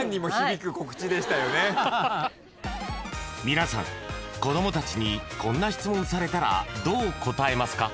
［皆さん子供たちにこんな質問されたらどう答えますか？］